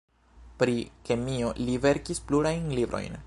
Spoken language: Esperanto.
Pri kemio li verkis plurajn librojn.